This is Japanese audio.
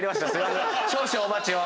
少々お待ちを。